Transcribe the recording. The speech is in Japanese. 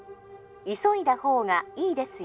☎急いだほうがいいですよ